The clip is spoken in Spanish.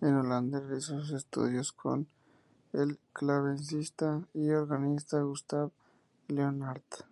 En Holanda, realizó sus estudios con el clavecinista y organista Gustav Leonhardt.